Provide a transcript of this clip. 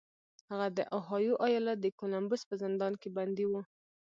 هغه د اوهایو ایالت د کولمبوس په زندان کې بندي و